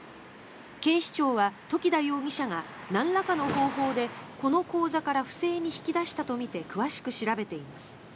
警視庁は時田容疑者がなんらかの方法でこの口座から不正に引き出したとみて詳しく調べています。